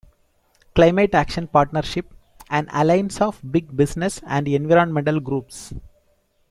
Climate Action Partnership, an alliance of big business and environmental groups.